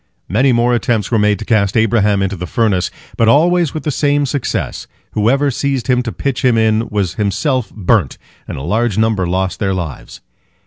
Many more attempts were made to cast Abraham into the furnace, but always with the same success—whoever seized him to pitch him in was himself burnt, and a large number lost their lives.